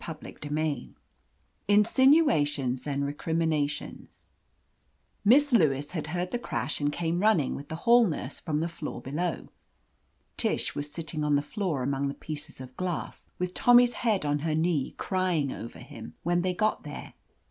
CHAPTER VII INSINUATIONS AND RECRIMINATIONS MISS LEWIS had heard the eratsh and came running, with the hall nurse from the floor below. Tish was sitting on the floor among the pieces of glass, with Tommy's head on her knee, crying over him, when they got there.